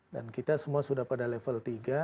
dan kita semua sudah pada level tiga